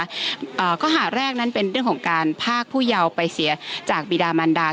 อ่าข้อหาแรกนั้นเป็นเรื่องของการพากผู้เยาว์ไปเสียจากบีดามันดา